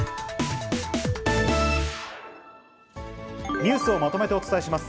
ニュースをまとめてお伝えします。